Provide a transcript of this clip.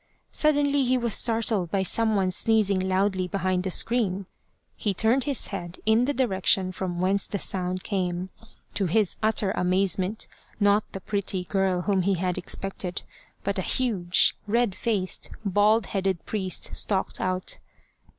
Suddenly he was startled by some one sneezing loudly behind the screen. He turned his head in the direction from whence the sound came To his utter amazement, not the pretty girl whom he had expected, but a huge, red faced, bald headed priest stalked out.